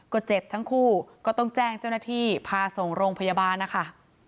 ก็เจ็บทั้งคู่ก็ต้องแจ้งเจ้าหน้าที่พาส่งโรงพยาบาลนะคะ